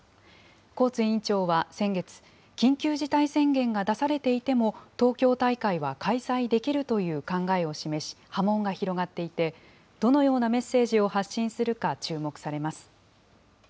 コーツ委員長は先月、緊急事態宣言が出されていても、東京大会は開催できるという考えを示し、波紋が広がっていて、どのようなメッセージを発信するか注目されます。